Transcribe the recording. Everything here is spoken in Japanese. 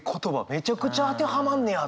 めちゃくちゃ当てはまんねやと。